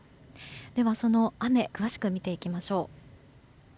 では、その雨詳しく見ていきましょう。